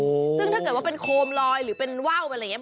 ซึ่งถ้าเกิดว่าเป็นโคมลอยหรือเป็นว่าวเป็นอะไรอย่างเงี้